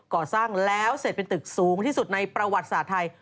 ก่อสร้างแล้วเสร็จเป็นตึกสูงที่สุดในประวัติศาสตร์ไทย